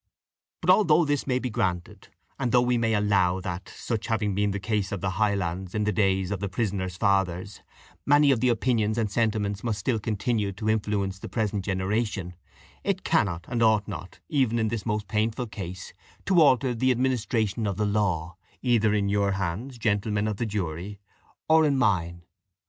But though all this may be granted, and though we may allow that, such having been the case of the Highlands in the days of the prisoner's fathers, many of the opinions and sentiments must still continue to influence the present generation, it cannot, and ought not, even in this most painful case, to alter the administration of the law, either in your hands, gentlemen of the jury, or in mine.